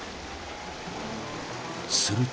［すると］